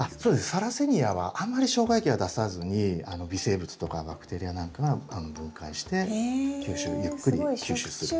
サラセニアはあんまり消化液は出さずに微生物とかバクテリアなんかが分解してゆっくり吸収する。